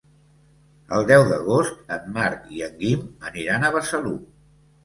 El deu d'agost en Marc i en Guim aniran a Besalú.